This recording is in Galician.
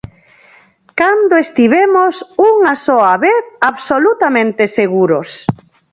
Cando estivemos, unha soa vez, absolutamente seguros?